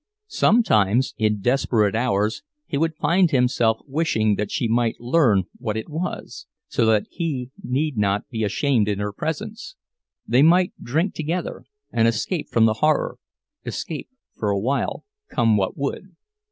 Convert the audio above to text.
Sometimes, in desperate hours, he would find himself wishing that she might learn what it was, so that he need not be ashamed in her presence. They might drink together, and escape from the horror—escape for a while, come what would.